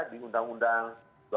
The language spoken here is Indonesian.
di undang undang dua ribu